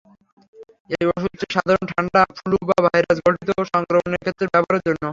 এই ওষুধটি সাধারণ ঠান্ডা, ফ্লু বা ভাইরাস ঘটিত সংক্রমণের ক্ষেত্রে ব্যবহারের জন্য।